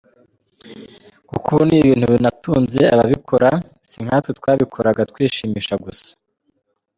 Kuko ubu ni ibintu binatunze ababikora sinkatwe twabikoraga twishimisha gusa.